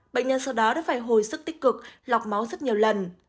bệnh nhân sau đó đã phải hồi sức tích cực lọc máu rất nhiều lần